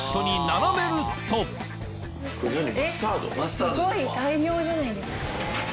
すごい大量じゃないですか。